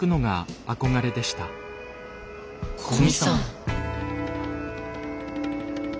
古見さん。